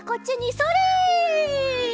それ！